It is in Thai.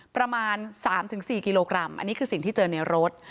ประมาณ๓๔กิโลกรัมอันนี้คือสิ่งที่เจอในรถ